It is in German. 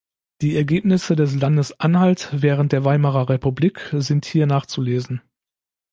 Die Ergebnisse des Landes Anhalt während der Weimarer Republik sind hier nachzulesen.